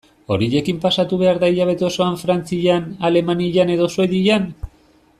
Horiekin pasatu behar da hilabete osoa Frantzian, Alemanian edo Suedian?